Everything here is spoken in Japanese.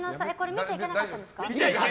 見ちゃいけなかったんですか？